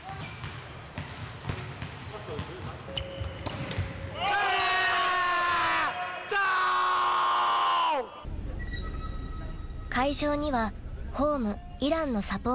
［会場にはホームイランのサポーターたちが集結］